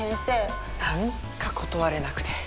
何か断れなくて。